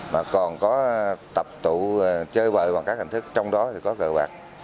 mà còn có tập tụ chơi bời bằng các hình thức trong đó thì có cờ bạc